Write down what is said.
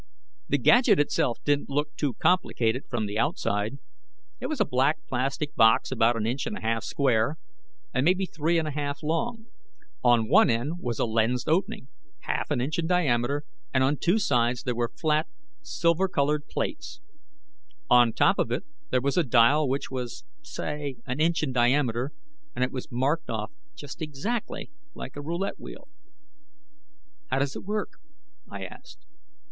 The gadget itself didn't look too complicated from the outside. It was a black plastic box about an inch and a half square and maybe three and a half long. On one end was a lensed opening, half an inch in diameter, and on two sides there were flat, silver colored plates. On the top of it, there was a dial which was, say, an inch in diameter, and it was marked off just exactly like a roulette wheel. "How does it work?" I asked.